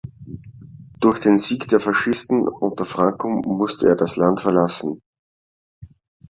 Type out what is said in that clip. Durch den Sieg der Faschisten unter Franco musste er das Land verlassen.